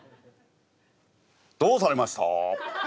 どうされました？